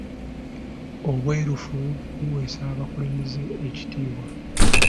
Obwerufu buweesa abakulembeze ekitiibwa.